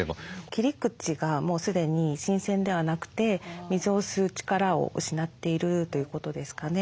切り口がもう既に新鮮ではなくて水を吸う力を失っているということですかね。